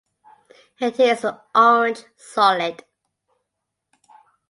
It is an orange solid.